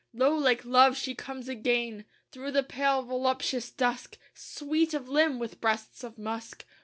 Lo! like love, she comes again Through the pale voluptuous dusk, Sweet of limb with breasts of musk.